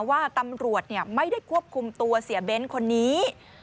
ว่าตำรวจไม่ได้ควบคุมตัวเสียเบ้นคนนี้